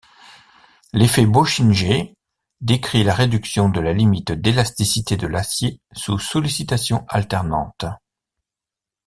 L’effet Bauschinger décrit la réduction de la limite d'élasticité de l'acier sous sollicitations alternantes.